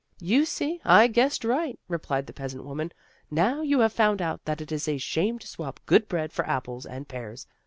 "You see, I guessed right!" replied the peas ant woman. "Now you have found out that it is a shame to swap good bread for apples and pears.